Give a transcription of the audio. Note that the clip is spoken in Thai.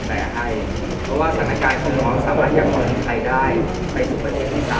เพราะว่าสรรคาประวัติศาสตร์สไวน์